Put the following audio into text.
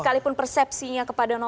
sekalipun persepsinya kepada satu